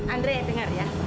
andrea dengar ya